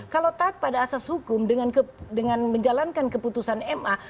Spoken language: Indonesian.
kalau taat pada asas hukum dengan menjalankan keputusan ma